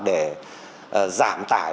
để giảm tải